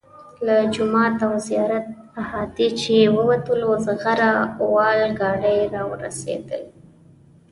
له جومات او زیارت احاطې چې ووتلو زغره وال ګاډي را رسېدلي وو.